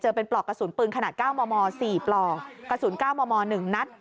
เจอเป็นปลอกกระสุนปืนขนาดเก้าหมอหมอสี่ปลอกกระสุนเก้าหมอหมอหนึ่งนัด